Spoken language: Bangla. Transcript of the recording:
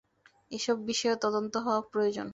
এসব বিষেয় তদন্ত হওয়া প্রয়োজন।